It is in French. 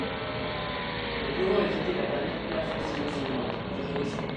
Ne pouvant éviter la dernière place la saison suivante, il redescendit.